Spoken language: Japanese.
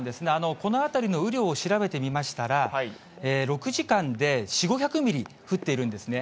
この辺りの雨量を調べてみましたら、６時間で４、５００ミリ降っているんですね。